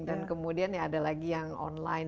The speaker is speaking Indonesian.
dan kemudian ada lagi yang online